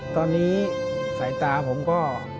ตอนนี้สายตาผมก็